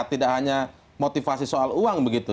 tidak hanya motivasi soal uang begitu